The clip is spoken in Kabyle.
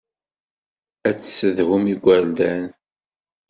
Ad tessedhum igerdan.